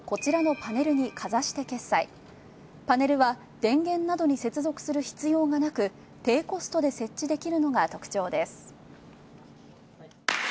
パネルは、電源などに接続する必要がなく低コストで設置できるのが特徴です。